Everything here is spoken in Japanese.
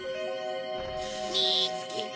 みつけた！